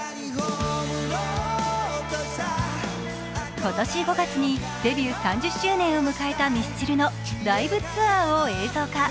今年５月にデビュー３０周年を迎えたミスチルのライブツアーを映像化。